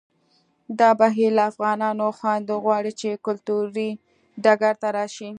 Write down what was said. دا بهیر له افغانو خویندو غواړي چې کلتوري ډګر ته راشي